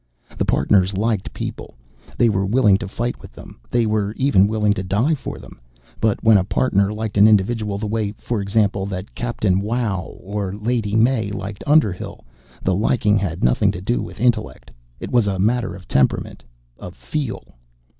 The Partners liked people. They were willing to fight with them. They were even willing to die for them. But when a Partner liked an individual the way, for example, that Captain Wow or the Lady May liked Underhill, the liking had nothing to do with intellect. It was a matter of temperament, of feel.